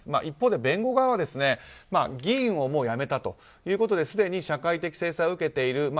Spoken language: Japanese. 一方で弁護側は議員を辞めたということですでに社会的制裁を受けている。